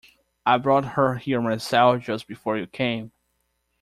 I brought her here myself just before you came.